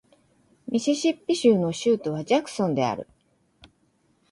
ミシシッピ州の州都はジャクソンである